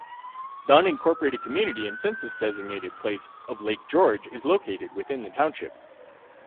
The unincorporated community and census-designated place of Lake George is located within the township.